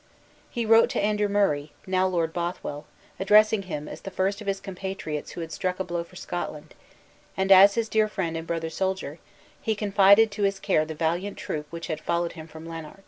He wrote to Andrew Murray (now Lord Bothwell), addressing him as the first of his compatriots who had struck a blow for Scotland; and, as his dear friend and brother soldier, he confided to his care the valiant troop which had followed him from Lanark.